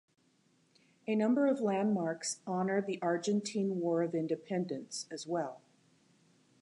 A number of landmarks honor the Argentine War of Independence, as well.